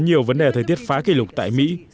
nhiều vấn đề thời tiết phá kỷ lục tại mỹ